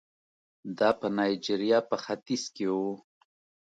دا په نایجریا په ختیځ کې وو.